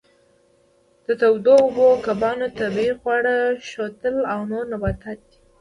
د تودو اوبو کبانو طبیعي خواړه شوتل او نور نباتات دي.